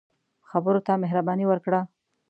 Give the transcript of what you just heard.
خبرو ته مهرباني ورکړه